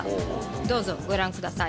どうぞご覧ください。